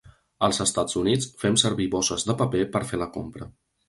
Als Estats Units, fem servir bosses de paper per fer la compra.